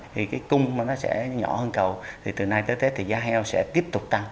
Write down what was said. thì cái cung mà nó sẽ nhỏ hơn cầu thì từ nay tới tết thì giá heo sẽ tiếp tục tăng